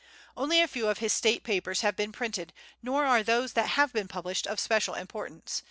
Only a few of his State papers have been printed, nor are those that have been published of special importance.